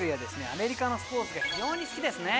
アメリカのスポーツが非常に好きですね。